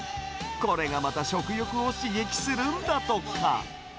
これがまた食欲を刺激するんだとか。